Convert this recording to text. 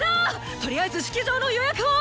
とりあえず式場の予約を！